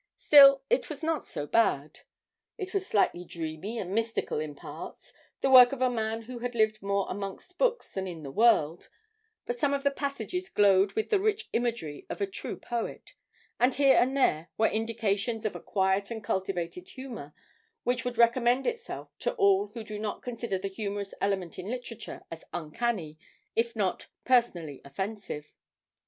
Still, it was not so bad. It was slightly dreamy and mystical in parts, the work of a man who had lived more amongst books than in the world, but some of the passages glowed with the rich imagery of a true poet, and here and there were indications of a quiet and cultivated humour which would recommend itself to all who do not consider the humorous element in literature as uncanny, if not personally offensive.